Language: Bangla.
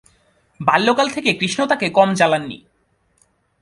বাল্যকাল থেকে কৃষ্ণ তাকে কম জ্বালাননি।